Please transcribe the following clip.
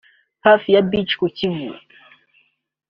hafi ya Beach ku Kivu